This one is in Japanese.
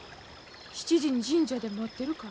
７時に神社で待ってるからて。